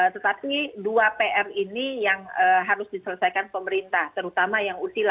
tetapi dua pr ini yang harus diselesaikan pemerintah terutama yang util